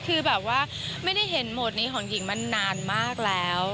คือแบบว่าไม่ได้เห็นโหมดนี้ของหญิงมานานมากแล้ว